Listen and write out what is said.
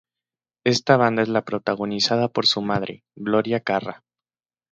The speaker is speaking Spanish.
Esta banda es la protagonizada por su madre, Gloria Carrá.